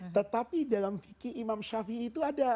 tetapi dalam fikih imam shafi'i itu ada